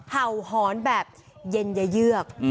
เห่าหอนแบบเย็นเยือก